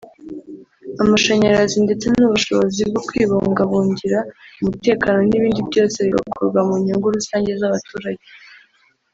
amashanyarazi ndetse n’ubushobozi bwo kwibungabungira umutekano n’ibindi byose bigakorwa mu nyungu rusange z’abaturage